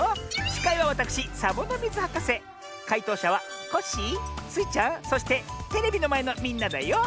しかいはわたくしサボノミズはかせかいとうしゃはコッシースイちゃんそしてテレビのまえのみんなだよ。